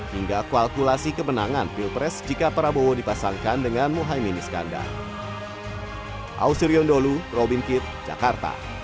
hingga kalkulasi kemenangan pilpres jika prabowo dipasangkan dengan muhaymin iskandar